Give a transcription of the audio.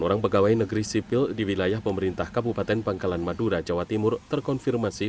orang pegawai negeri sipil di wilayah pemerintah kabupaten pangkalan madura jawa timur terkonfirmasi